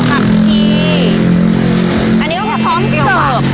อันนี้ก็พร้อมเสิร์ฟ